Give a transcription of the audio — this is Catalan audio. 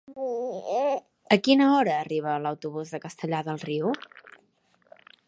A quina hora arriba l'autobús de Castellar del Riu?